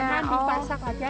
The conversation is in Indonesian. oh makanan dipasak aja